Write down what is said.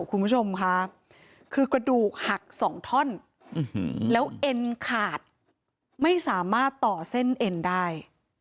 คุณผู้ชมค่ะคือกระดูกหักสองท่อนแล้วเอ็นขาดไม่สามารถต่อเส้นเอ็นได้